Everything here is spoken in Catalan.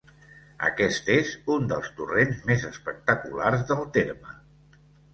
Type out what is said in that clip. Aquest és un dels torrents més espectaculars del terme.